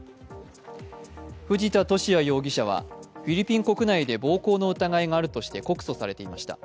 藤田聖也容疑者はフィリピン国内で暴行の疑いがあるとして告訴されていました。